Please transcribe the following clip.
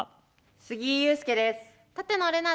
杉井勇介です。